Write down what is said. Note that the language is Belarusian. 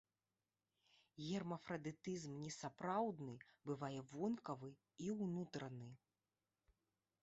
Гермафрадытызм несапраўдны бывае вонкавы і ўнутраны.